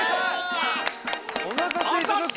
おなかすいたとき。